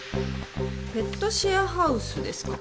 ペットシェアハウスですか？